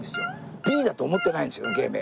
Ｂだと思ってないんですよ芸名。